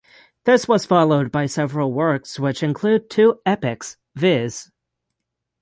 This was followed by several works which include two epics viz.